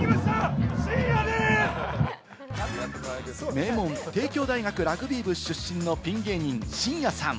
名門・帝京大学ラグビー部出身のピン芸人・しんやさん。